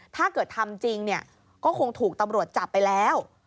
ถ้าเกิดทำจริงก็คงถูกตำรวจจับไปแล้ว